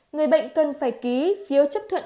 người bệnh cần phải ký khiếu chấp thuận